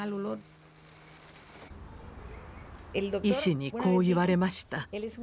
医師にこう言われました。